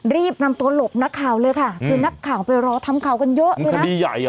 รีบนำตัวหลบนักข่าวเลยค่ะคือนักข่าวไปรอทำข่าวกันเยอะ